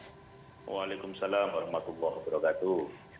waalaikumsalam warahmatullahi wabarakatuh